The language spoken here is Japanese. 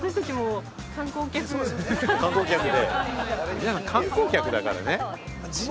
皆さん、観光客だからね。